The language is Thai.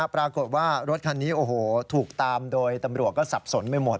ปรากฏว่ารถคันนี้โอ้โหถูกตามโดยตำรวจก็สับสนไปหมด